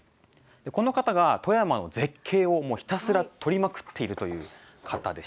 この方が富山の絶景をひたすら撮りまくっているという方で。